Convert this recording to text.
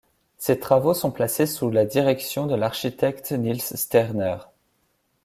Ces travaux sont placés sous la direction de l'architecte Nils Sterner.